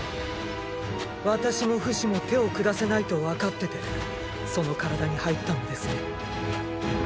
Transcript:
私もフシも手を下せないとわかっててその体に入ったのですね。